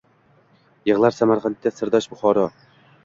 Yig’lar Samarqandga sirdosh Buxoro